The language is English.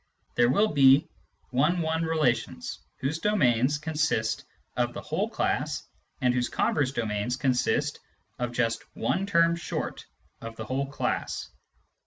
there will be one one relations whose domains consist of the whole class and whose converse domains consist of just one term short of the whole class.